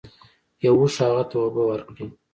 یو اوښ هغه ته اوبه ورکړې.